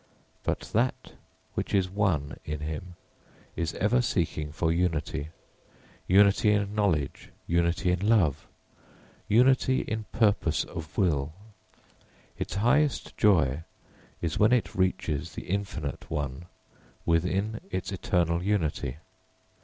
But that which is one in him is ever seeking for unity unity in knowledge, unity in love, unity in purposes of will; its highest joy is when it reaches the infinite one within its eternal unity.